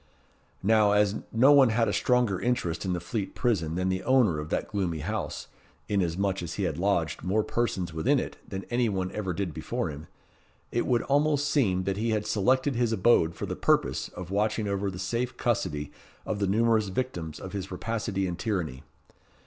Now, as no one had a stronger interest in the Fleet Prison than the owner of that gloomy house, inasmuch as he had lodged more persons within it than any one ever did before him, it would almost seem that he had selected his abode for the purpose of watching over the safe custody of the numerous victims of his rapacity and tyranny.